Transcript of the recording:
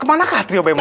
kemanakah trio bemo